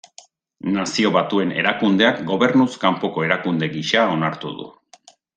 Nazio Batuen Erakundeak gobernuz kanpoko erakunde gisa onartu du.